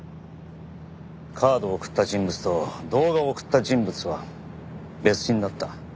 カードを送った人物と動画を送った人物は別人だった。